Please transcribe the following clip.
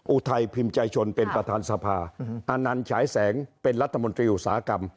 อุทัยพิมพ์ใจชนเป็นประธานสภาอานันต์ฉายแสงเป็นรัฐมนตรีอุตสาหกรรม